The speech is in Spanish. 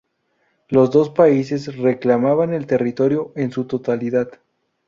Los dos países reclamaban el territorio en su totalidad.